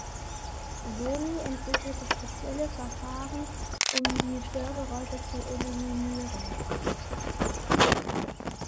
Sony entwickelte spezielle Verfahren, um die Störgeräusche zu eliminieren.